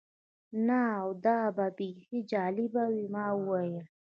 نه، او دا به بیخي جالبه وي. ما وویل.